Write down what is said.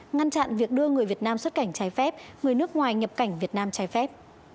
ngăn chặn việc đưa người việt nam xuất cảnh trái phép người nước ngoài nhập cảnh việt nam trái phép